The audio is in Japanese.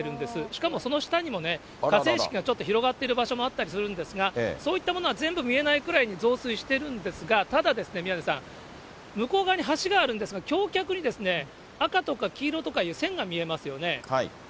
しかもその下にも河川敷がちょっと広がっている場所もあったりするんですが、そういったものは全部見えないくらいに増水してるんですが、ただですね、宮根さん、向こう側に橋があるんですが、橋脚に赤とか黄色とかいう線が見えますよね。